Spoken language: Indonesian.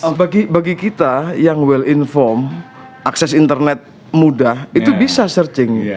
nah bagi kita yang well inform akses internet mudah itu bisa searching